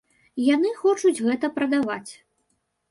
Яны хочуць гэта прадаваць.